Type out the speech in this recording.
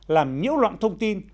làm nhiễu loạn thông tin